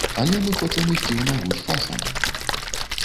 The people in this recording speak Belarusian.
Але мы хочам ісці ў нагу з часам.